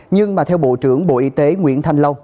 nhưng mà theo bộ trưởng bộ y tế nguyễn thanh lâu